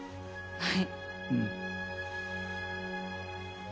はい。